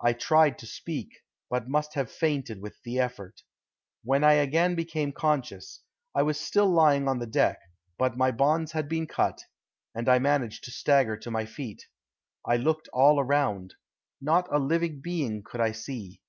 I tried to speak, but must have fainted with the effort. When I again became conscious, I was still lying on the deck, but my bonds had been cut, and I managed to stagger to my feet. I looked all around. Not a living being could I see.